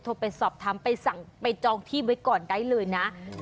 โทรไปสอบถามไปสั่งไปจองที่ไว้ก่อนได้เลยนะ